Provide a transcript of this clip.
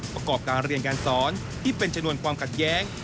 ประกอบการเรียนการสอนที่เป็นชนวนความขัดแย้ง